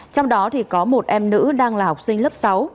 trong đó có một em nữ đang là học sinh lớp sáu